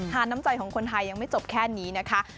น้ำใจของคนไทยยังไม่จบแค่นี้นะคะ